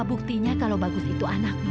buktinya kalau bagus itu anakmu